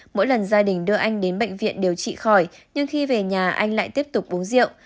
mỗi lần gia đình đưa anh đến bệnh viện điều trị khỏi nhưng khi về nhà anh lại tiếp tục uống rượu